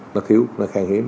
nó thiếu nó khang hiếm